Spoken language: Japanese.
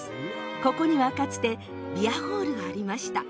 ここにはかつてビアホールがありました。